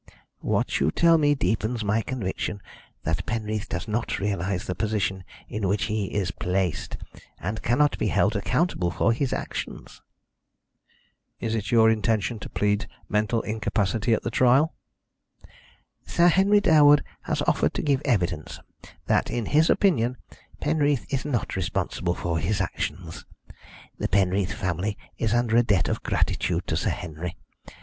"What you tell me deepens my conviction that Penreath does not realise the position in which he is placed, and cannot be held accountable for his actions." "Is it your intention to plead mental incapacity at the trial?" "Sir Henry Durwood has offered to give evidence that, in his opinion, Penreath is not responsible for his actions. The Penreath family is under a debt of gratitude to Sir Henry.